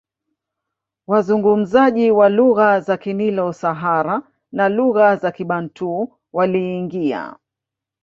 Wazungumzaji wa lugha za Kinilo Sahara na lugha za Kibantu waliingia